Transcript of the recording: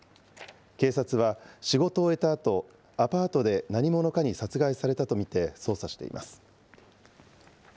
警察は仕事を終えたあと、アパートで何者かに殺害されたと見て、捜査しています。